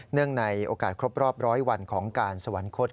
เนื่องในโอกาสครบรอบร้อยวันของการสวรรค์โฆษณ์